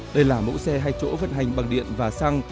đây là mẫu xe hai chỗ vận hành bằng điện và xăng